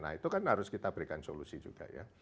nah itu kan harus kita berikan solusi juga ya